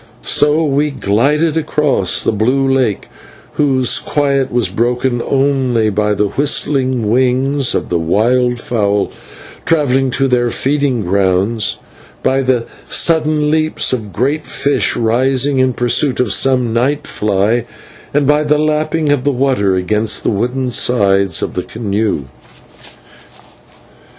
So we glided across the blue lake, whose quiet was broken only by the whistling wings of the wild fowl travelling to their feeding grounds, by the sudden leaps of great fish rising in pursuit of some night fly, and by the lapping of the water against the wooden sides of the canoe.